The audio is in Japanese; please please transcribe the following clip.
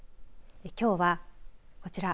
きょうはこちら。